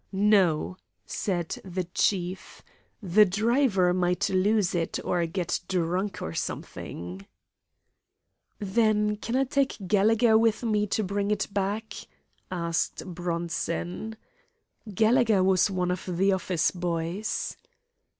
"No," said the chief; "the driver might lose it, or get drunk, or something." "Then can I take Gallegher with me to bring it back?" asked Bronson. Gallegher was one of the office boys.